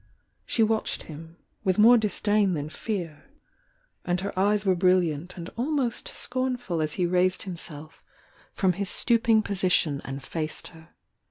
She watehed him, with more disdain than fear, — and her eyes were brilliant and almost scornful as he raised himself THE YOUNG DIANA 283 from his stooping position and faced her.